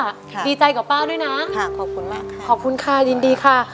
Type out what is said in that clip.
ดีใจกับป้าด้วยนะค่ะขอบคุณมากค่ะขอบคุณค่ะยินดีค่ะ